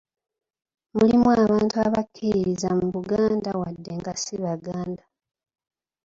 Mulimu abantu abakkiririza mu Buganda wadde nga si baganda .